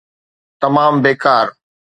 تمام بيڪار.